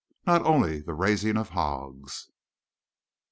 Not only the raising of hogs!